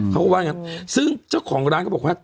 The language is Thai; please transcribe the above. เขาก็ว่างั้นซึ่งเจ้าของร้านก็บอกว่า